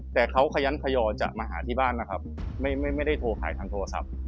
แต่เขาขยันขยอจะมาหาที่บ้านนะครับไม่ได้โทรขายทางโทรศัพท์